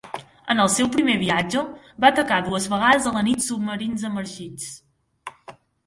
En el seu primer viatge, va atacar dues vegades a la nit submarins emergits.